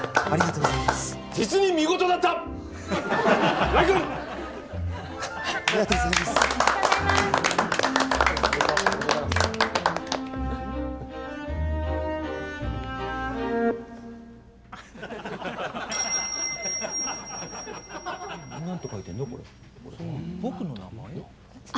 僕の名前？